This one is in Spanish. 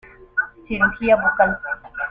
Cirugía Bucal.